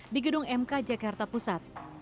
di gedung mk jakarta pusat